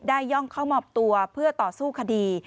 ย่องเข้ามอบตัวเพื่อต่อสู้คดี